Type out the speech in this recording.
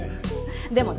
でもね